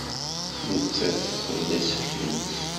Nettat teqbel asefk-nnes.